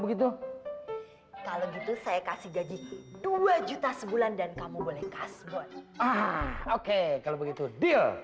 begitu kalau gitu saya kasih gaji dua juta sebulan dan kamu boleh kasih buat ah oke kalau begitu deal